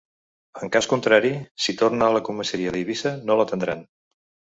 En cas contrari, si torna a la comissaria d’Eivissa, no l’atendran.